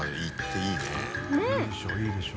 いいでしょ？